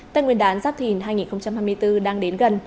tên nguyên đán giáp thìn hai nghìn hai mươi bốn đang đến gần